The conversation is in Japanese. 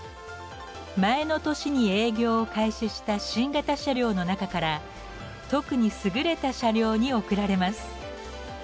前の年に営業を開始した新型車両の中から特に優れた車両に贈られます。